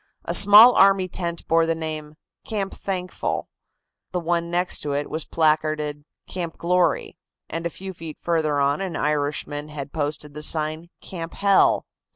A small army tent bore the name, "Camp Thankful," the one next to it was placarded "Camp Glory" and a few feet farther on an Irishman had posted the sign "Camp Hell."